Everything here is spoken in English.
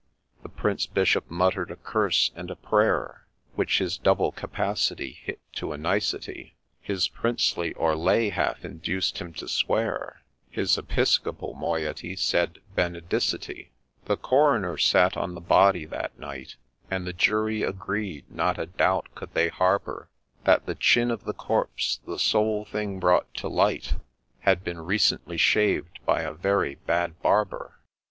The Prince Bishop mutter'd a curse, and a prayer Which his double capacity hit to a nicety ; His Princely, or Lay, half induced him to swear, His Episcopal moiety said ' Benedicite I ' The Coroner sat on the body that night, And the jury agreed, — not a doubt could they harbour, —' That the chin of the corpse — the sole thing brought to light — Had been recently shaved by a very bad barber.'